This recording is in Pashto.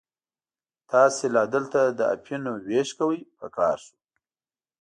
تاسې لا دلته د اپینو وېش کوئ، په قهر شو.